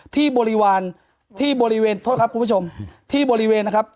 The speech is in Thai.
บริวารที่บริเวณโทษครับคุณผู้ชมที่บริเวณนะครับ